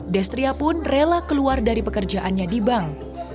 destria pun rela keluar dari pekerjaannya di bank